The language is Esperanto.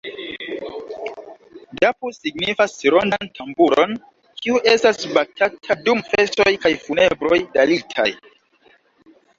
Dappu signifas rondan tamburon, kiu estas batata dum festoj kaj funebroj dalitaj.